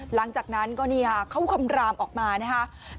หลังจากนั้นก็เขาคำรามออกมานะครับ